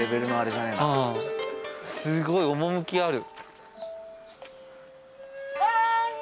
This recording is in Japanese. すごい趣がある。